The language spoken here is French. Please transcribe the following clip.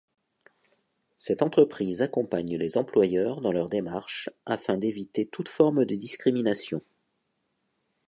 Cette entreprise accompagne les employeurs dans leurs démarches afin d’éviter toute forme de discrimination.